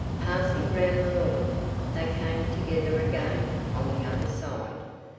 Passing round the lawn, they came together again on the other side.